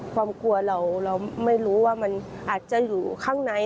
ความกลัวเราไม่รู้ว่ามันอาจจะอยู่ข้างใน